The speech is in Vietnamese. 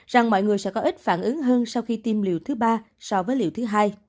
rằng mọi người sẽ có ít phản ứng hơn sau khi tiêm liều thứ ba so với liều thứ hai